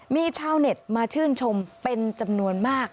มีชาวเน็ตมาชื่นชมเป็นจำนวนมาก